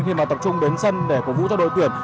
khi mà tập trung đến sân để cổ vũ cho đội tuyển